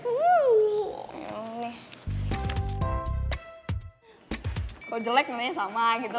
kalo jelek nanya sama gitu